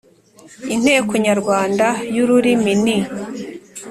inteko nyarwanda y’ururimi n’